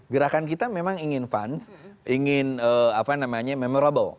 gerakan kita memang ingin fans ingin apa namanya memorable